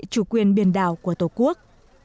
chủ quyền biển đảo của tổ quốc